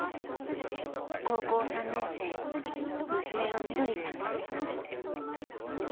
高校３年生娘のみどりさん。